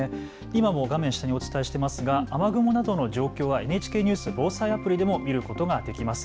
今も画面下でお伝えしていますが雨雲のなどの状況はＮＨＫニュース・防災アプリでも見ることができます。